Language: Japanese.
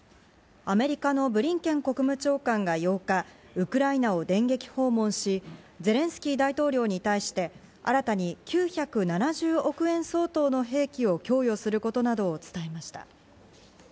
アメリカのブリンケン国務長官が８日、ウクライナを電撃訪問し、ゼレンスキー大統領に対して新たに９７０億円相当の兵器を供与することなどを伝えました。